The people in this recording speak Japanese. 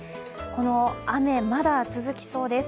この雨、まだ続きそうです。